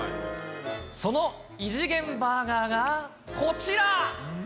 その異次元バーガーがこちら。